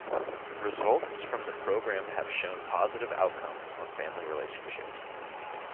Results from the program have shown positive outcomes on family relationships.